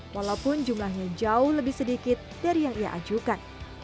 walaupun jumlahnya jauh lebih sedikit dari yang ia ajukan